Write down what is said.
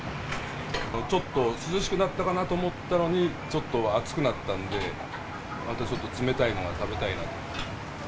ちょっと涼しくなったかなと思ったのに、ちょっと暑くなったんで、またちょっと冷たいのを食べたいなと。